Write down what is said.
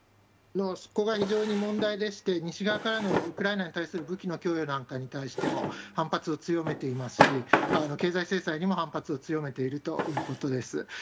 そこが非常に問題でして、西側からのウクライナに対する武器の供与なんかに対しても、反発を強めていますし、経済制裁にも反発を強めているということです。